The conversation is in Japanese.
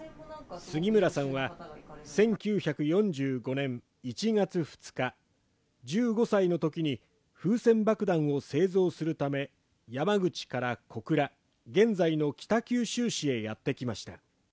杉村さんは１９４５年１月２日、１５歳のときに風船爆弾を製造するため、山口から小倉現在の北九州市へやってきました。